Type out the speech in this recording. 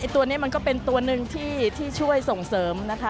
ตัวนี้มันก็เป็นตัวหนึ่งที่ช่วยส่งเสริมนะคะ